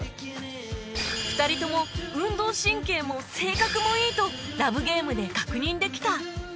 ２人とも運動神経も性格もいいと ＬＯＶＥＧＡＭＥ で確認できた